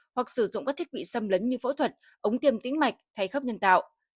hoặc sử dụng các thiết bị xâm lấn như phẫu thuật ống tiêm tính mạch thay khắp nhân tạo